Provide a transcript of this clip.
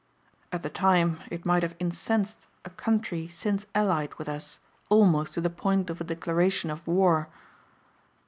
At the time it might have incensed a country since allied with us almost to the point of a declaration of war.